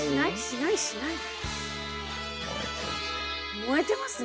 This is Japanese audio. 燃えてますね。